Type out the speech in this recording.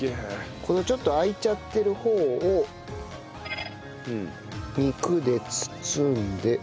このちょっと開いちゃってる方を肉で包んで。